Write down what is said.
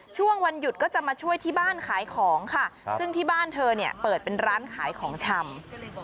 ช่วงวันหยุดก็จะมาช่วยที่บ้านขายของค่ะซึ่งที่บ้านเธอเนี่ยเปิดเป็นร้านขายของชำ